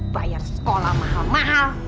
bayar sekolah mahal mahal